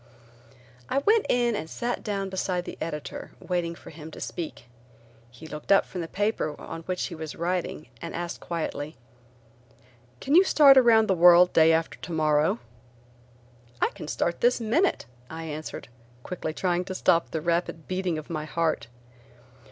I went in and sat down beside the editor waiting for him to speak. He looked up from the paper on which he was writing and asked quietly: "Can you start around the world day after tomorrow?" "I can start this minute," I answered, quickly trying to stop the rapid beating of my heart.